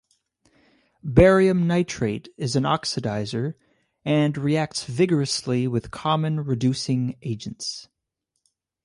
Barium nitrate is an oxidizer and reacts vigorously with common reducing agents.